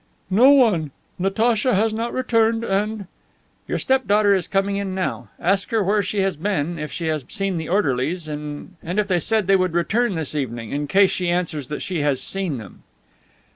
"No one. Natacha has not returned, and..." "Your step daughter is coming in now. Ask her where she has been, if she has seen the orderlies, and if they said they would return this evening, in case she answers that she has seen them."